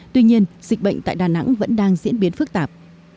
tuy nhiên dịch bệnh tại đà nẵng vẫn đang diễn biến phức tạp